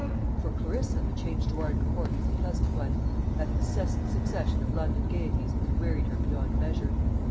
For Clarissa the change to Arden Court was a pleasant one. That incessant succession of London gaieties had wearied her beyond measure.